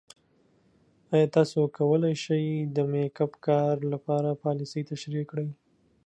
ایا تاسو کولی شئ د میک اپ کار لپاره پالیسۍ تشریح کړئ؟